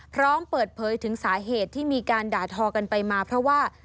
พร้อมเปิดเผยถึงสาเหตุที่มีการด่าทอกันไปมาเพราะว่า